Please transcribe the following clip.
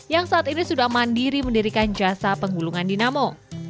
yang saat ini sudah mandiri mendirikan jasa penggulungan dinamo